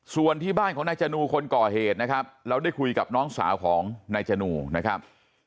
ส่วนที่บ้านของนายจนูคนก่อเหตุนะครับเราได้คุยกับน้องสาวของนายจนูนะครับ